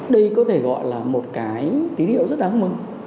đây có thể gọi là một cái tín hiệu rất đáng mừng